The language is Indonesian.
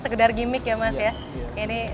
sekedar gimmick ya mas ya ini